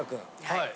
はい。